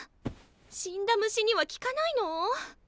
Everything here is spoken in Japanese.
死んだ虫には効かないの？